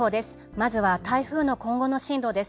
まずは台風の今後の進路です。